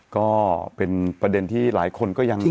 ก็เป็นประเด็นที่หลายคนก็ยัง